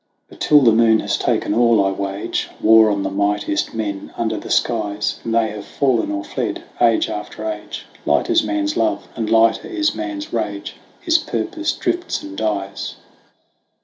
"But till the moon has taken all, I wage War on the mightiest men under the skies, And they have fallen or fled, age after age : Light is man's love, and lighter is man's rage; His purpose drifts and dies."